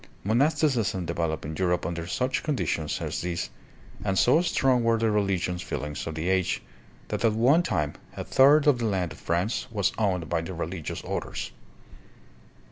Monasticism developed in Europe under such conditions as these, and so strong were the religious feelings of the age that at one time a third of the land of France was owned by the re ligious orders.